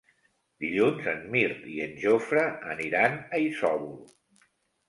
Dilluns en Mirt i en Jofre aniran a Isòvol.